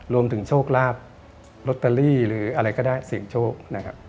โชคลาภลอตเตอรี่หรืออะไรก็ได้เสี่ยงโชคนะครับ